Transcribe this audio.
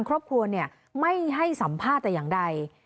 ครอบครัวไม่ให้สัมภาษณ์แต่อย่างใด